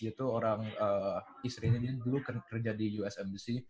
itu orang istrinya dia dulu kerja di us embassy